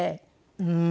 うん。